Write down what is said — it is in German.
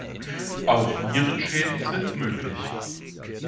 Auch Nierenschäden sind möglich.